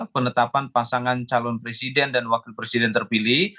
penetapan pasangan calon presiden dan wakil presiden terpilih